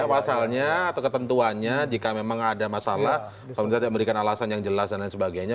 pasalnya atau ketentuannya jika memang ada masalah pemerintah tidak memberikan alasan yang jelas dan lain sebagainya